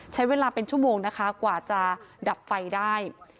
ใช้เวลาเป็นชั่วโมงนะคะกว่าจะดับไฟได้